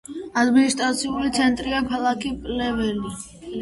ადმინისტრაციული ცენტრია ქალაქი პლევენი.